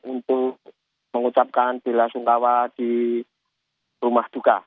untuk mengucapkan bela sungkawa di rumah duka